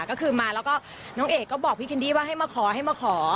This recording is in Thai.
ก็คือมาแล้วก็น้องเอกก็บอกพี่แคนดี้ว่าให้มาขอให้มาขอ